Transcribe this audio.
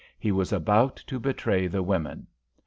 He was about to betray the women.